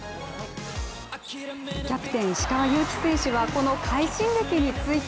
キャプテン・石川祐希選手はこの快進撃について